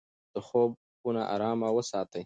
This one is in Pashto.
د خوب خونه ارامه وساتئ.